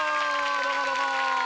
どうもどうも！